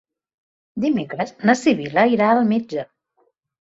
Dimecres na Sibil·la irà al metge.